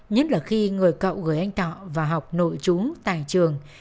nhất là khi người cậu gửi anh thọ vào học nội trú tại trường